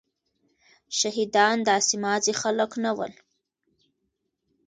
شهيدان داسي ماځي خلک نه ول.